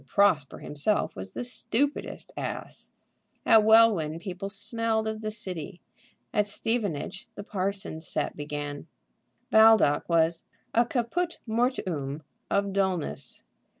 Prosper himself was the stupidest ass! At Welwyn people smelled of the City. At Stevenage the parsons' set began. Baldock was a caput mortuum of dulness.